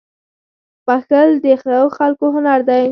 • بښل د ښو خلکو هنر دی.